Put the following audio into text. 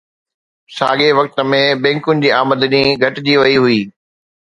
ساڳئي وقت ۾، بينڪن جي آمدني گهٽجي وئي هئي